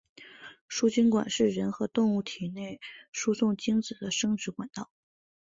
输精管是人和动物体内输送精子的生殖管道。